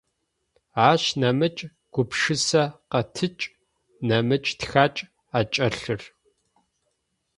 Ащ нэмыкӏ гупшысэ къэтыкӏ, нэмыкӏ тхакӏ ӏэкӏэлъыр.